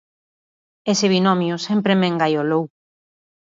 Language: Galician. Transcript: Ese binomio sempre me engaiolou.